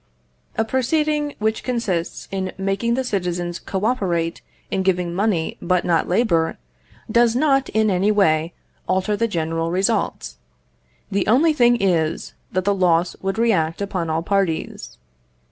A proceeding which consists in making the citizens co operate in giving money but not labour, does not, in any way, alter the general results. The only thing is, that the loss would react upon all parties.